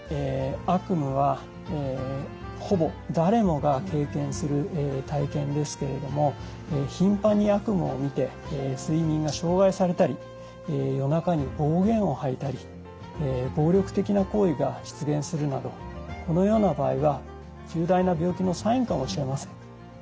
悪夢はほぼ誰もが経験する体験ですけれどもひんぱんに悪夢をみて睡眠が障害されたり夜中に暴言を吐いたり暴力的な行為が出現するなどこのような場合は重大な病気のサインかもしれません。